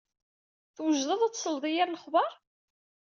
Twejdeḍ ad tesleḍ i yir lexber?